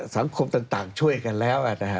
สังคมต่างช่วยกันแล้ว